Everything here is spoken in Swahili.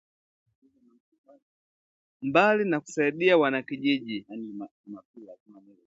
Mbali na kusaidia wana kijiji